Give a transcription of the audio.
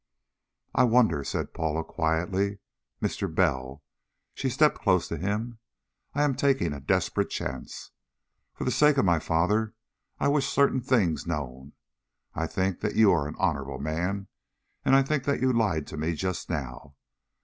"I wonder," said Paula quietly. "Mr. Bell" she stepped close to him "I am taking a desperate chance. For the sake of my father, I wish certain things known. I think that you are an honorable man, and I think that you lied to me just now.